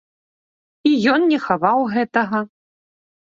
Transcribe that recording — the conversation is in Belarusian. І ён не хаваў гэтага.